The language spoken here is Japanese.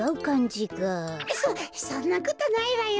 そそんなことないわよ。